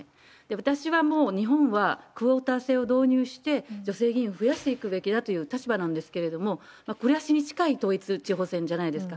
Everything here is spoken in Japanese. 私はもう日本はクオーター制を導入して、女性議員を増やしていくべきだという立場なんですけれども、暮らしに近い統一地方選じゃないですか。